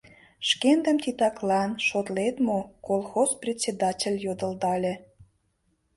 — Шкендым титаканлан шотлет мо? — колхоз председатель йодылдале.